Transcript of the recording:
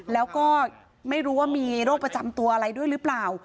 แล้วก็ไม่รู้ว่ามีโรคประจำตัวอะไรด้วยหรือเปล่า